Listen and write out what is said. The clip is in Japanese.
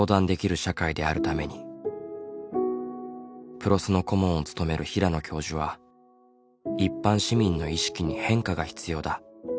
ＰＲＯＳの顧問を務める平野教授は一般市民の意識に変化が必要だと指摘する。